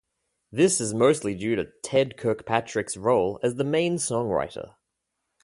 This is mostly due to Ted Kirkpatrick's role as the main songwriter.